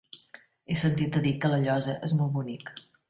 He sentit a dir que La Llosa és molt bonic.